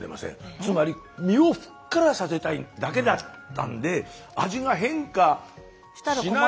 つまり身をふっくらさせたいだけだったんで味が変化しない。